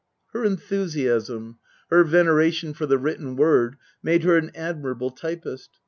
Her enthusiasm, her veneration for the written word made her an admirable typist.